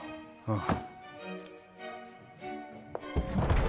ああ